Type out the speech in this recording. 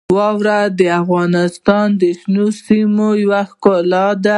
واوره د افغانستان د شنو سیمو یوه ښکلا ده.